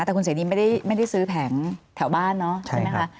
แต่คุณเสนีไม่ได้ซื้อแผงแถวบ้านเนาะใช่ไหมคะ